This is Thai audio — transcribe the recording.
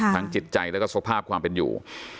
จิตใจแล้วก็สภาพความเป็นอยู่